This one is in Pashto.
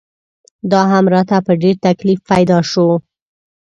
دا هم راته په ډېر تکلیف پیدا شو.